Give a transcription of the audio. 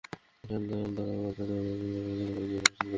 বিশাল run তাড়া করতে নেমে জিম্বাবুয়ে শুরু থেকেই এগিয়েছে মসৃণ গতিতে।